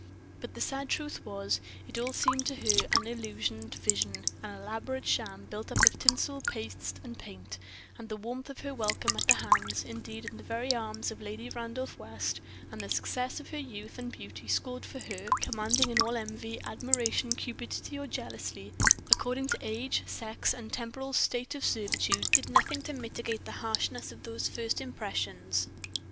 But the sad truth was, it all seemed to her unillusioned vision an elaborate sham built up of tinsel, paste, and paint; and the warmth of her welcome at the hands, indeed in the very arms, of Lady Randolph West, and the success her youth and beauty scored for her—commanding in all envy, admiration, cupidity, or jealousy, according to age, sex, and temporal state of servitude—did nothing to mitigate the harshness of those first impressions.